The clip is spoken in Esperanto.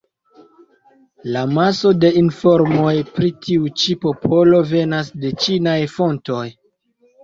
La maso de informoj pri tiu ĉi popolo venas de ĉinaj fontoj.